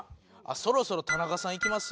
そろそろ田中さんいきます？